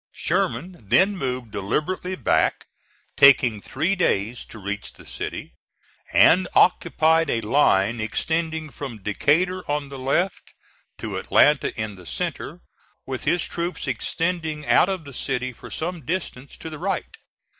Sherman then moved deliberately back, taking three days to reach the city, and occupied a line extending from Decatur on the left to Atlanta in the centre, with his troops extending out of the city for some distance to the right.